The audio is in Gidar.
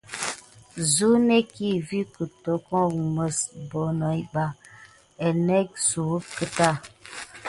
Suk énetke vi tokuga mis bonoki ɓa gelné adùck keta.